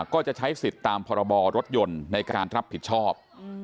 ก็จะใช้สิทธิ์ตามพรบรถยนต์ในการรับผิดชอบ